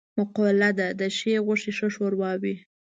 مقوله ده: د ښې غوښې ښه شوروا وي.